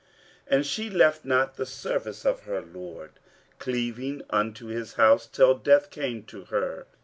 And she left not the service of her Lord, cleaving unto His House, till death came to her."